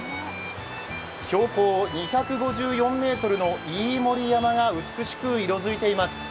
標高２５４ｍの飯盛山が美しく色づいています。